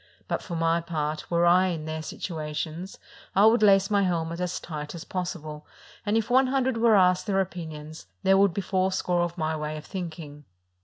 But for my part, were I in their situations, I would lace my helmet as tight as possible, and if one hundred were asked their opinions, there would be fourscore of my way of think ing."